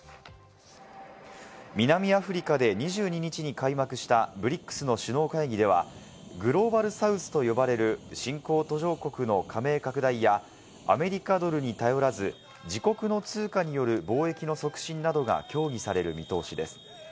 南アフリカで２２日に開幕したＢＲＩＣＳの首脳会議では、グローバルサウスと呼ばれる新興・途上国の加盟拡大や、アメリカドルに頼らず、自国の通貨による貿易の促進などが協議される見通しです。